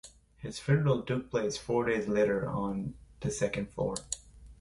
His funeral took place four days later on the second floor.